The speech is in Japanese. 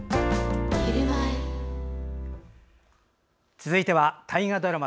続いては、大河ドラマ